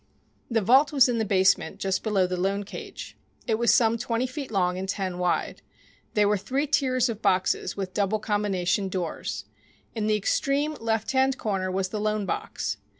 The vault was in the basement just below the loan cage. It was some twenty feet long and ten wide. There were three tiers of boxes with double combination doors. In the extreme left hand corner was the "loan box."